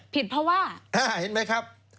เพราะว่าเห็นไหมครับ